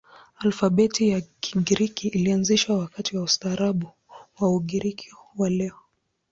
Alfabeti ya Kigiriki ilianzishwa wakati wa ustaarabu wa Ugiriki wa leo.